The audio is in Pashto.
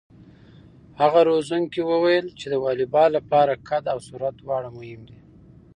هغه روزونکی وویل چې د واليبال لپاره قد او سرعت دواړه مهم دي.